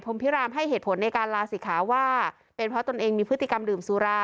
พิรามให้เหตุผลในการลาศิกขาว่าเป็นเพราะตนเองมีพฤติกรรมดื่มสุรา